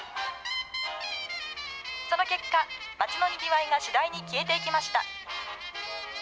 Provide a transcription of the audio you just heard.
その結果、街のにぎわいが次第に消えていきました。